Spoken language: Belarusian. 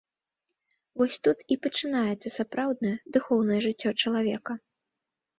Вось тут і пачынаецца сапраўднае духоўнае жыццё чалавека.